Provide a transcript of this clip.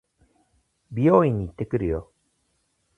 美容院に行ってくるよ。